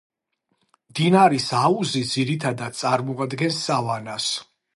მდინარის აუზი ძირითადად წარმოადგენს სავანას.